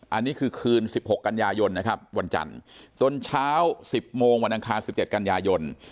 อันนี้คือคืนสิบหกกันยายนนะครับวันจันทร์จนเช้าสิบโมงวันอังคารสิบเจ็ดกันยายน